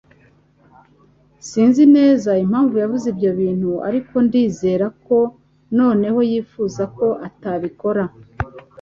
Sinzi neza impamvu yavuze ibyo bintu, ariko ndizera ko noneho yifuza ko atabikora.